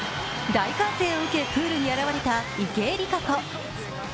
大歓声を受け、プールに現れた池江璃花子。